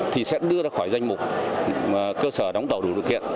thì sẽ đưa ra khỏi danh mục cơ sở đóng tàu đủ điều kiện